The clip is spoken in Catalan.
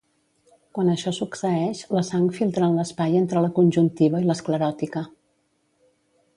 Quan això succeeix, la sang filtra en l'espai entre la conjuntiva i l'escleròtica.